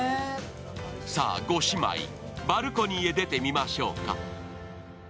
さぁ、ご姉妹、バルコニーへ出てみましょうか。